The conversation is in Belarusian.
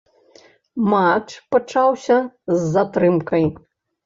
Матч пачаўся з затрымкай.